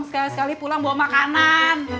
sekali sekali pulang bawa makanan